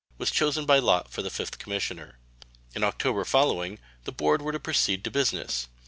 was chosen by lot for the 5th commissioner. In October following the board were to proceed to business.